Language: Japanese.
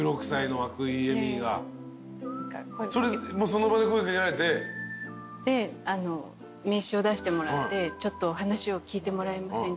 その場で声掛けられて？で名刺を出してもらってちょっと話を聞いてもらえませんか？